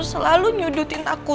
selalu nyudutin aku